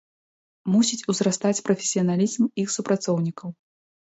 Мусіць узрастаць прафесіяналізм іх супрацоўнікаў.